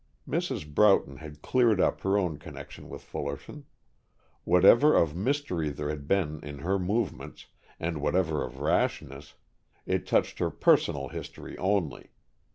Mrs. Broughton had cleared up her own connection with Fullerton. Whatever of mystery there had been in her movements, and whatever of rashness, it touched her personal history only.